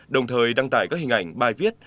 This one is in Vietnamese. đồng thời đăng tải các hình ảnh bài viết